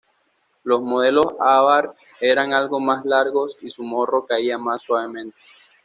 Los modelos Abarth eran algo más largos y su morro caía más suavemente.